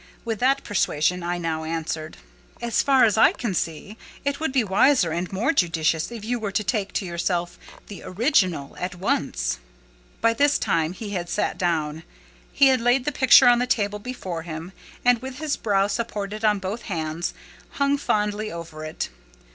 With this persuasion I now answered— "As far as I can see, it would be wiser and more judicious if you were to take to yourself the original at once." By this time he had sat down: he had laid the picture on the table before him, and with his brow supported on both hands, hung fondly over it.